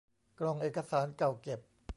กล่องเอกสารเก่าเก็บ